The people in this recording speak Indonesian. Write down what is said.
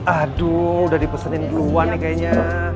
aduh udah dipesenin duluan nih kayaknya